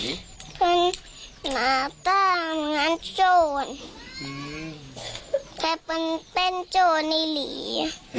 เขาน่าตาเหมือนอันโจรแค่เป็นโจรนิริ